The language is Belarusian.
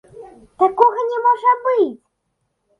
Такога не можа быць!